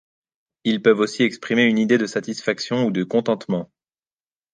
Ils peuvent aussi exprimer une idée de satisfaction ou de contentement.